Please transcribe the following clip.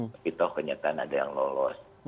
tapi toh kenyataan ada yang lolos